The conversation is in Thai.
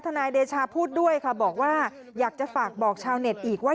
นายเดชาพูดด้วยค่ะบอกว่าอยากจะฝากบอกชาวเน็ตอีกว่า